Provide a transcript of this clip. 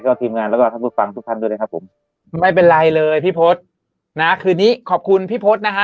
ก็ทีมงานแล้วก็ท่านผู้ฟังทุกท่านด้วยนะครับผมไม่เป็นไรเลยพี่พศนะคืนนี้ขอบคุณพี่พศนะฮะ